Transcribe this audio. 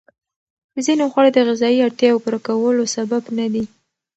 ځینې خواړه د غذایي اړتیاوو پوره کولو سبب ندي.